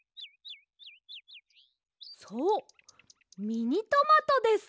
そうミニトマトです！